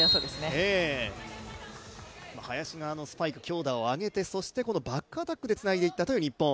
林側のスパイク、強打を上げてそしてバックアタックでつないでいったという日本。